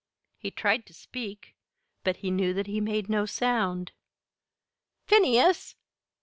He tried to speak, but he knew that he made no sound. "Phineas!